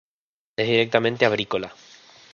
Es estrictamente arborícola.